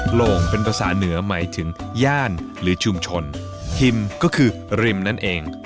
โหลงเป็นภาษาเหนือหมายถึงย่านหรือชุมชนทิมก็คือริมนั่นเอง